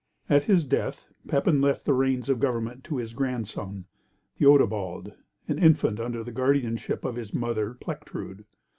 At his death Pepin left the reins of government to his grandson, Theodebald, an infant under the guardianship of his mother, Plectrude.